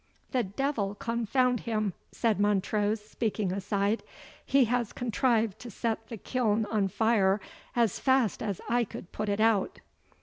"The devil confound him!" said Montrose, speaking aside; "he has contrived to set the kiln on fire as fast as I put it out.